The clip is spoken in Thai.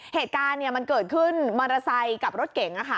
เหตุการณ์มันเกิดขึ้นมอเตอร์ไซค์กับรถเก๋ง